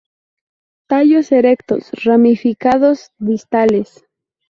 Tallos erectos, ramificados distales.